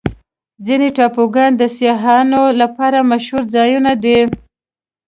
ځینې ټاپوګان د سیاحانو لپاره مشهوره ځایونه دي.